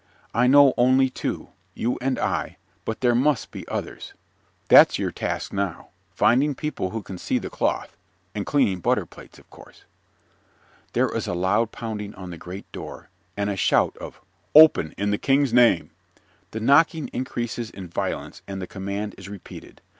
I know only two, you and I, but there must be others. That's your task now, finding people who can see the cloth and cleaning butter plates, of course. (_There is a loud pounding on the great door and a shout of "Open, in the King's name!" The knocking increases in violence and the command is repeated.